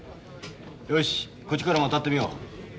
よしこっちからも当たってみよう。